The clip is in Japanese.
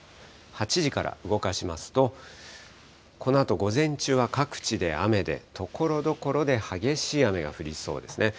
８時から動かしますと、このあと午前中は各地で雨で、ところどころで激しい雨が降りそうですね。